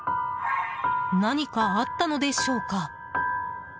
何かあったのでしょうか。